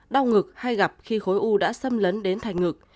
đau ngực hay gặp khi khối u đã xâm lấn đến thành ngực